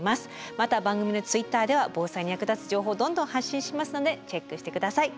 また番組のツイッターでは防災に役立つ情報をどんどん発信しますのでチェックしてください。